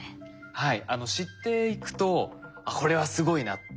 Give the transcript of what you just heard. はい。